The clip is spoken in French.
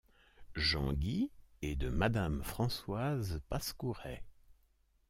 Jean Guy et de Madame Françoise Pascouret.